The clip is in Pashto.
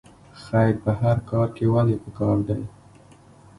خیر په هر کار کې ولې پکار دی؟